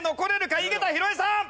井桁弘恵さん！